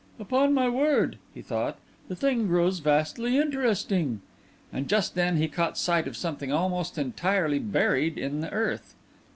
"Upon my word," he thought, "the thing grows vastly interesting." And just then he caught sight of something almost entirely buried in the earth.